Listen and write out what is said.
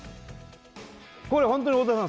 これホントに太田さん